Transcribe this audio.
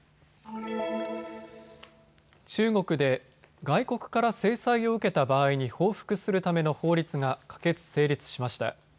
中国で外国から制裁を受けた場合に報復するための法律が可決、成立しました。